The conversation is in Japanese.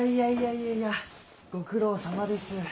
いやいやご苦労さまです。